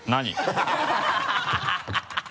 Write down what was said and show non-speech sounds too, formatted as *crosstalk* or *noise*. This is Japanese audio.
ハハハ *laughs*